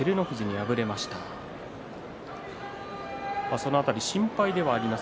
そのあと心配であります